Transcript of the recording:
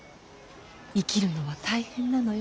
生きるのは大変なのよ。